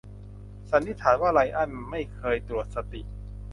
สันนิษฐานว่าไรอันไม่เคยตรวจสติ